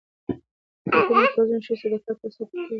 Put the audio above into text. د خیاطۍ مرکزونه ښځو ته د کار فرصت ورکوي.